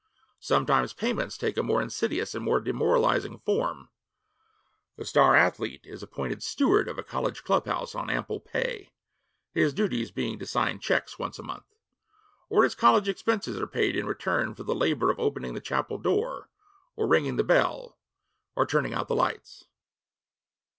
Sometimes payments take a more insidious and more demoralizing form. The star athlete is appointed steward of a college clubhouse on ample pay, his duties being to sign checks once a month. Or his college expenses are paid in return for the labor of opening the chapel door, or ringing the bell, or turning out the lights.